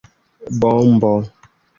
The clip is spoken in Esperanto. Bombo!